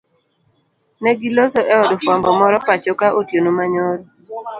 Negiloso eod fwambo moro pachoka otieno manyoro.